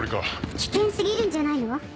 危険過ぎるんじゃないの？